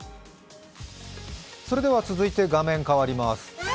それでは続いて、画面変わります。